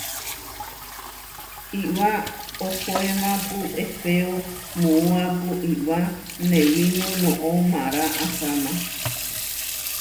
Iʼwá ohóemapu ehpéo muápu iʼwá newimú noʼó mára aháma.